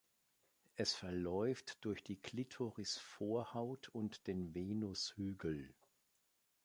Es verläuft durch die Klitorisvorhaut und den Venushügel.